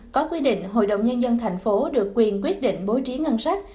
có quy định hội đồng nhân dân thành phố được quyền quyết định bố trí ngân sách